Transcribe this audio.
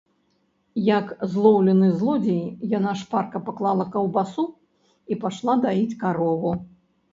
Як злоўлены злодзей, яна шпарка паклала каўбасу і пайшла даіць карову.